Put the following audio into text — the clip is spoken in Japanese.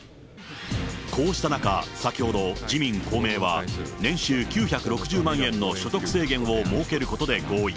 こうした中、先ほど、自民、公明は年収９６０万円の所得制限を設けることで合意。